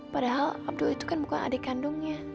padahal abdul itu kan bukan adik kandungnya